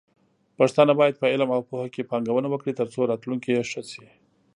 پښتانه بايد په علم او پوهه کې پانګونه وکړي، ترڅو راتلونکې يې ښه شي.